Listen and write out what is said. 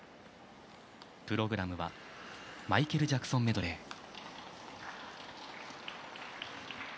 プログラムは、マイケル・ジャクソンメドレー。